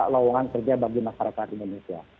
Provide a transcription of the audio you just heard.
lowongan kerja bagi masyarakat indonesia